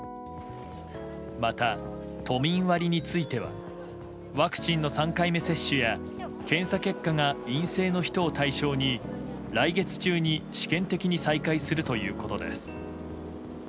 また、都民割についてはワクチンの３回目接種や検査結果が陰性の人を対象に来月中に試験的に再開するということです。